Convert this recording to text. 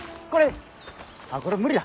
あっこれ無理だ。